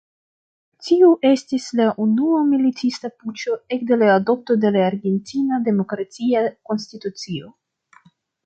Tiu estis la unua militista puĉo ekde la adopto de la argentina demokratia konstitucio.